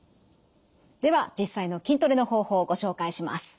では実際の筋トレの方法をご紹介します。